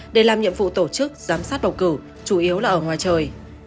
để làm nhiệm vụ tổ chức giám sát bầu cử chủ yếu là ở ngoài trời